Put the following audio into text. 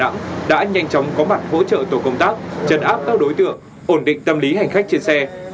phòng cảnh sát giao thông công an tp đà nẵng đã nhanh chóng có mặt hỗ trợ tổ công tác trật áp các đối tượng ổn định tâm lý hành khách trên xe